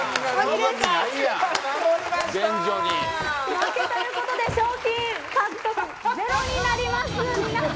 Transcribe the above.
負けということで賞金ゼロになります。